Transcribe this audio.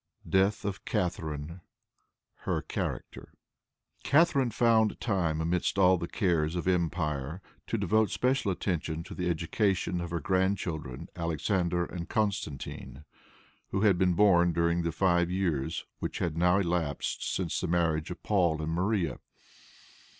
Death of Catharine. Her Character. Catharine found time, amidst all the cares of empire, to devote special attention to the education of her grandchildren Alexander and Constantine, who had been born during the five years which had now elapsed since the marriage of Paul and Maria.